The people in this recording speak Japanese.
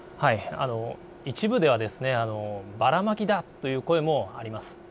一部ではバラマキだという声もあります。